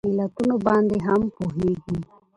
علتونو باندې هم پوهیږي